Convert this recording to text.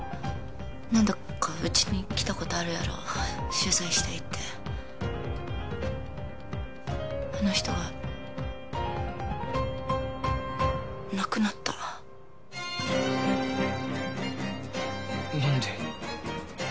何度かうちに来たことあるやろ取材したいってあの人が亡くなった何で？